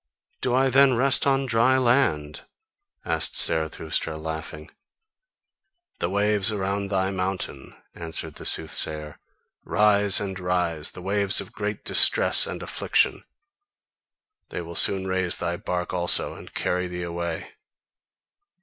"Do I then rest on dry land?" asked Zarathustra, laughing. "The waves around thy mountain," answered the soothsayer, "rise and rise, the waves of great distress and affliction: they will soon raise thy bark also and carry thee away."